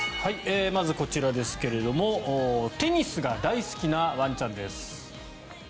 まずこちらですがテニスが大好きなワンちゃんです。